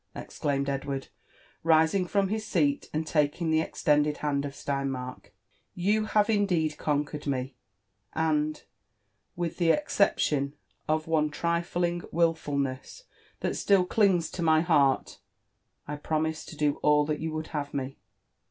exclaimed Edward, rising from bis seat and taking the extended hand of Steinmark, '' you have indeed conquered me, and, with the exception of one trifling wilfulness that still clings to my heart, I promise to do all that you would have me."